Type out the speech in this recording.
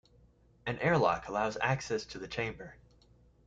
An airlock allows access to the chamber.